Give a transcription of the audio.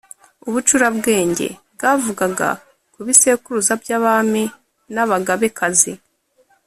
Ubucurabwenge: bwavugaga ku bisekuru by’abami n’abagabekazi.